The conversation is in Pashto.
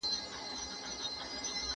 د نولسمې پیړۍ پای له بدلون ډک و.